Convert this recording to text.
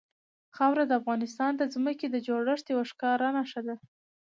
خاوره د افغانستان د ځمکې د جوړښت یوه ښکاره نښه ده.